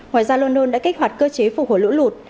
ngoài ra london đã kích hoạt cơ chế phục hồi lũ lụt